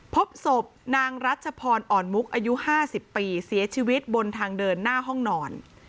พบศพนางรัชพรอ่อนมุกอายุ๕๐ปีเสียชีวิตบนทางเดินหน้าห้องนอน